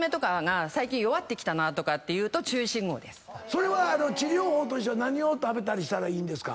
それは治療法としては何を食べたりしたらいいんですか？